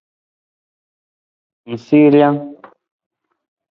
Ng sii rijang.